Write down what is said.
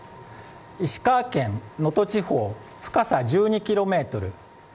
石川県能登地方、深さ１２ｋｍ。